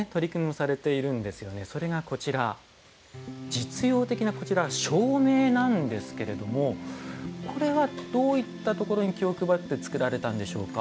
実用的なこちら照明なんですけれどもこれはどういったところに気を配って作られたんでしょうか？